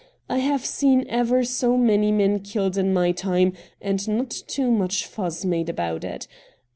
I have seen ever so many men killed in my time, and not too much fuss made about it.